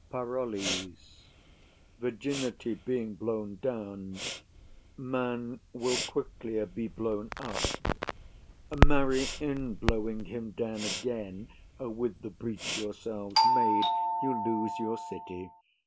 PAROLLES. Virginity being blown down, man will quicklier be blown up; marry, in blowing him down again, with the breach yourselves made, you lose your city.